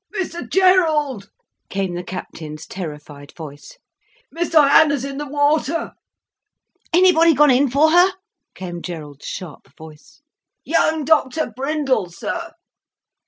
"Mr Gerald!" came the captain's terrified voice. "Miss Diana's in the water." "Anybody gone in for her?" came Gerald's sharp voice. "Young Doctor Brindell, sir."